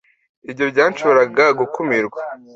Ibyo byashoboraga gukumirwa.